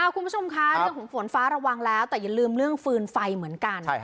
คุณผู้ชมคะเรื่องของฝนฟ้าระวังแล้วแต่อย่าลืมเรื่องฟืนไฟเหมือนกัน